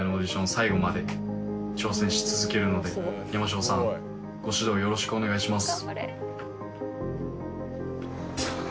最後まで挑戦し続けるのでＹＡＭＡＳＨＯさんご指導よろしくお願いします。